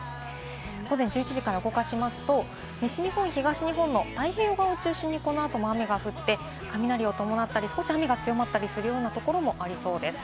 午前１１時から動かしますと、西日本、東日本の太平洋側を中心にこのあと雨が降って、雷を伴ったり少し雨が強まったりするところもありそうです。